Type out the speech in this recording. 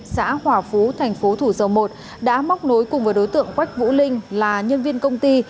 xã hòa phú thành phố thủ dầu một đã móc nối cùng với đối tượng quách vũ linh là nhân viên công ty